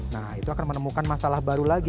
nah itu akan menemukan masalah baru lagi